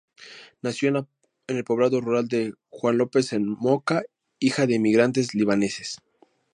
Nació en el poblado rural de Juan López en Moca, hija de emigrantes libaneses.